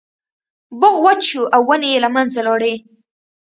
باغ وچ شو او ونې یې له منځه لاړې.